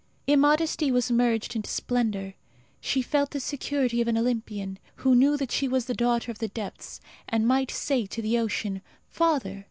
Immodesty was merged in splendour. She felt the security of an Olympian, who knew that she was daughter of the depths, and might say to the ocean, "Father!"